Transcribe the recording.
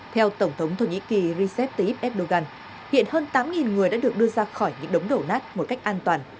theo tổng thống thổ nhĩ kỳ recep tayyip erdogan hiện hơn tám người đã được đưa ra khỏi những đống đổ nát một cách an toàn